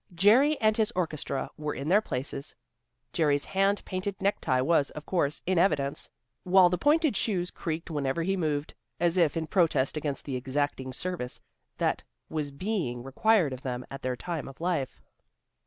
Jerry and his orchestra were in their places. Jerry's hand painted necktie was, of course, in evidence, while the pointed shoes creaked whenever he moved, as if in protest against the exacting service that was being required of them at their time of life.